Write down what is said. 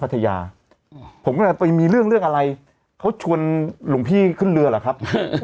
ผมก็เลยไปมีเรื่องเรื่องอะไรเขาชวนหลวงพี่ขึ้นเรือเหรอครับ